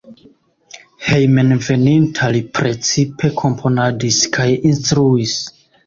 Hejmenveninta li precipe komponadis kaj instruis.